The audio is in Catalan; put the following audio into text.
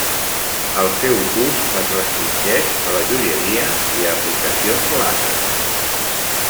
El seu ús es restringeix a la joieria i a aplicacions làser.